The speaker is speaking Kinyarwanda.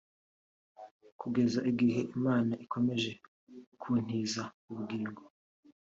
Kugeza igihe Imana ikomeje kuntiza ubugingo